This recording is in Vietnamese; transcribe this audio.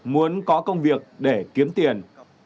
muốn có công việc để kiếm tiền